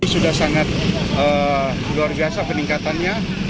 sudah sangat luar biasa peningkatannya